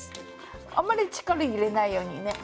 あんまり力入れないようにね。